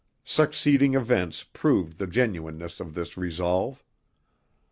Succeeding events proved the genuineness of this resolve.